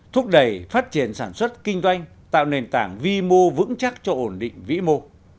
thúc đẩy phát triển sản xuất kinh doanh tạo nền tảng vi mô vững chắc cho ổn định vĩ mô